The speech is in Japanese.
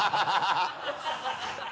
ハハハ